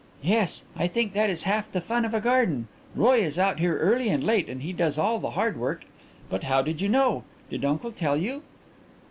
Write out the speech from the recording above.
"Yes; I think that is half the fun of a garden. Roy is out here early and late and he does all the hard work. But how did you know? Did uncle tell you?"